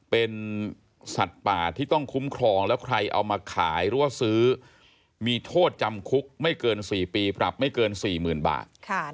เป็นสัตว์ป่าที่ต้องคุ้มครองแล้วใครเอามาขายหรือว่าซื้อมีโทษจำคุกไม่เกิน๔ปีปรับไม่เกิน๔๐๐๐บาท